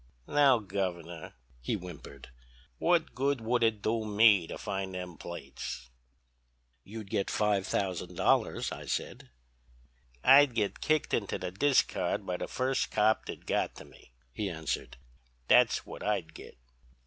"'Now, Governor,' he whimpered, 'what good would it do me to find them plates?' "'You'd get five thousand dollars,' I said. "'I'd git kicked into the discard by the first cop that got to me,' he answered, 'that's what I'd git.'